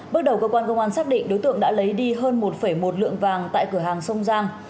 bước đầu cơ quan công an xác định đối tượng đã lấy đi hơn một một lượng vàng tại cửa hàng sông giang